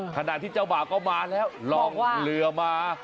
ขณะที่เจ้าบ่าก็มาแล้วลองเรือมา